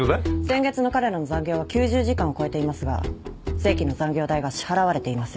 先月の彼らの残業は９０時間を超えていますが正規の残業代が支払われていません。